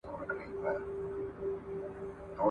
په سپين سر، ململ پر سر.